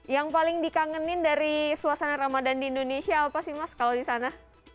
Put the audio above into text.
yang paling dikangenin dari suasana ramadan di indonesia apa sih mas kalau di sana